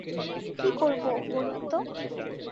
কী করব বলুন তো।